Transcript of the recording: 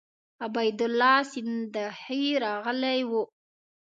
عبیدالله سیندهی راغلی وو.